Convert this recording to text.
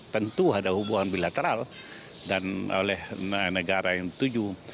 tentu ada hubungan bilateral oleh negara yang tujuh